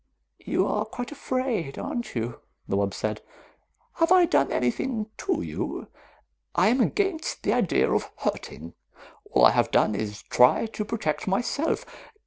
"You are quite afraid, aren't you?" the wub said. "Have I done anything to you? I am against the idea of hurting. All I have done is try to protect myself.